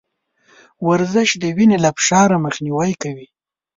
ورزش د وينې له فشار مخنيوی کوي.